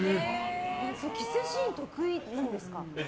キスシーン得意なんですか？